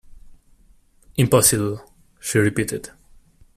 "Impossible," she repeated.